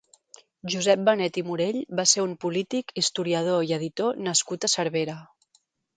Josep Benet i Morell va ser un polític, historiador i editor nascut a Cervera.